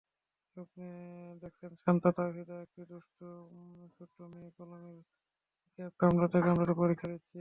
স্বপ্নে দেখেছেনশান্তা তাওহিদাএকটি দুষ্টু ছোট্ট মেয়ে কলমের ক্যাপ কামড়াতে কামড়াতে পরীক্ষা দিচ্ছিল।